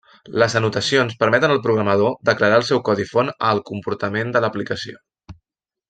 Les anotacions permeten al programador declarar al seu codi font el comportament de l'aplicació.